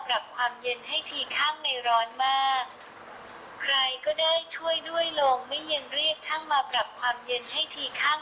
ปรับความเย็นให้ที่ข้างในร้อนมาก